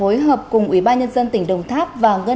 xin chào và hẹn gặp lại